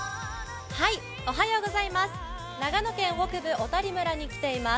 長野県北部小谷村に来ています。